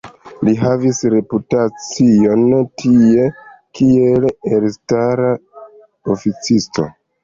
Li havis reputacion tie kiel elstara oficisto.